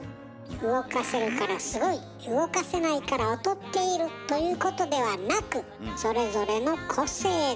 動かせるからすごい動かせないから劣っているということではなくなるほど。